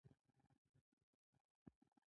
خنجر کردار پۀ چپه خله څرګند دے